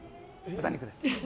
豚肉です。